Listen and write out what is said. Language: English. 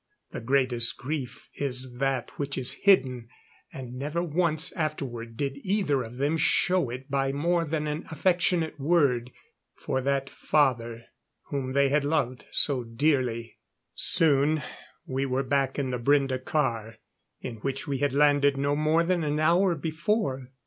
The greatest grief is that which is hidden, and never once afterward did either of them show it by more than an affectionate word for that father whom they had loved so dearly. Soon we were back in the Brende car in which we had landed no more than an hour before.